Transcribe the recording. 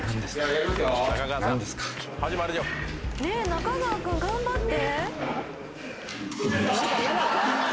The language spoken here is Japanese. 中川君頑張って。